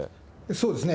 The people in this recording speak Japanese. そうですね。